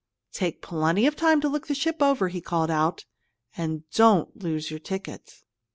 "Take plenty of time to look the ship over," he called out; "and don't lose your ticket!"